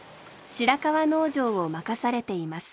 白川農場を任されています。